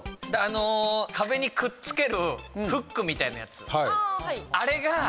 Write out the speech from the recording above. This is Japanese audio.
壁にくっつけるフックみたいなやつ。